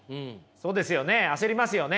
そうですよね焦りますよね。